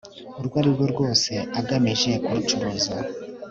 urwo ari rwo rwose agamije kurucuruza